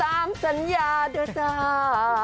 จำสัญญาเดอร์จ้า